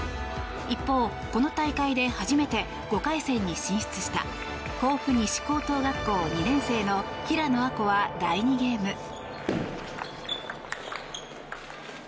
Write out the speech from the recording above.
一方、この大会で初めて５回戦に進出した甲府西高等学校２年生の平野亜子は第２ゲーム。